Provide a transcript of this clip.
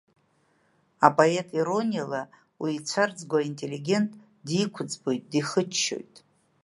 Апоет ирониала уи ицәарӡгоу аинтеллигент диқәыӡбоит, дихыччоит…